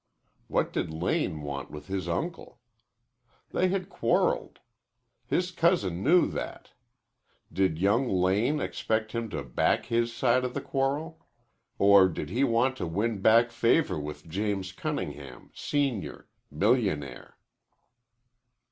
What did Lane want with his uncle? They had quarreled. His cousin knew that. Did young Lane expect him to back his side of the quarrel? Or did he want to win back favor with James Cunningham, Senior, millionaire?